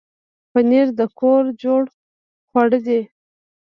پنېر د کور جوړ خواړه دي.